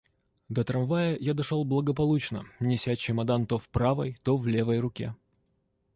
До трамвая я дошел благополучно, неся чемодан то в правой, то в левой руке.